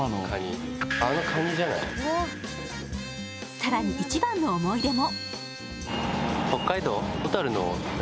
更に一番の思い出も。